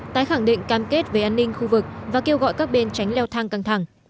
tái khẳng định cam kết về an ninh khu vực và kêu gọi các bên tránh leo thang căng thẳng